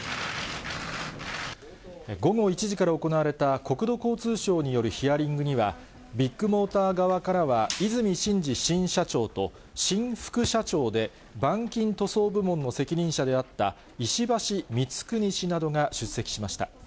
午後１時から行われた、国土交通省によるヒアリングには、ビッグモーター側からは和泉伸二新社長と、新副社長で、板金塗装部門の責任者であった、石橋光国氏などが出席しました。